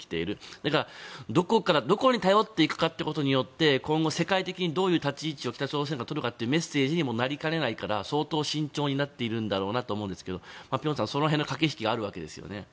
だからどこに頼っていくかによって今後、世界的にどういう立ち位置を北朝鮮が取るかというメッセージにもなりかねないから相当慎重になっているんだろうなと思うんですが辺さん、そこら辺の駆け引きがあるわけですよね。